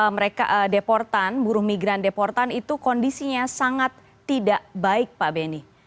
mereka deportan buruh migran deportan itu kondisinya sangat tidak baik pak benny